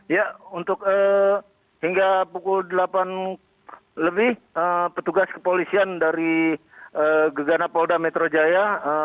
ya untuk hingga pukul delapan lebih petugas kepolisian dari gegana polda metro jaya